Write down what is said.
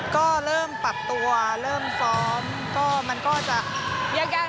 ก็เริ่มปรับตัวเริ่มซ้อมก็มันก็จะยาก